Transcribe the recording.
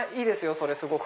それすごく。